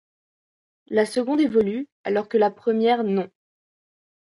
La seconde évolue alors que la première non.